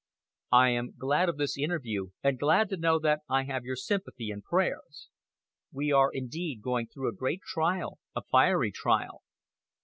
"I am glad of this interview, and glad to know that I have your sympathy and prayers. We are indeed going through a great trial, a fiery trial.